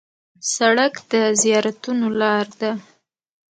سړک د زیارتونو لار ده.